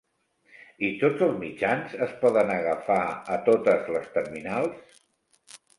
I tots els mitjans es poden agafar a totes les terminals?